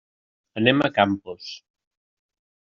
Anem a Campos.